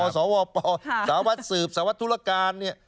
สาวัดสืบสาวัดธุรการเนี่ย